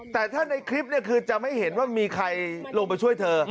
แต่ถ้าในคลิปคือจะไม่เห็นว่ามีใครลงไปช่วยเธอ